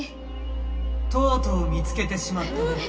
とうとう見つけてしまったね。